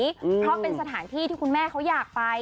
เพราะเป็นสถานที่ที่คุณแม่เขาอยากไป